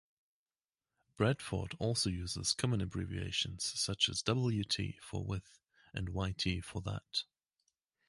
Bradford also uses common abbreviations such as wt for with, and yt for that.